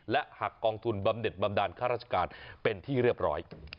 และหักกองทุนบำเด็ดบำดาลค่าราชการเป็นที่เรียบร้อย